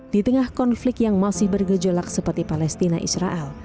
di tengah konflik yang masih bergejolak seperti palestina israel